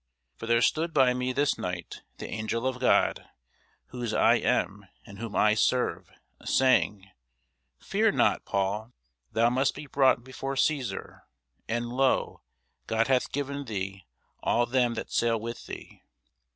For there stood by me this night the angel of God, whose I am, and whom I serve, saying, Fear not, Paul; thou must be brought before Cæsar: and, lo, God hath given thee all them that sail with thee.